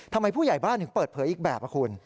ทำไมผู้ใหญ่บ้านถึงเปิดเผยอีกแบบคุณ